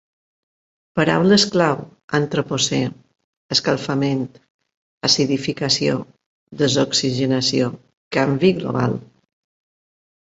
Paraules clau: antropocè, escalfament, acidificació, desoxigenació, canvi global.